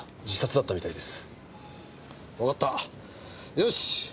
よし！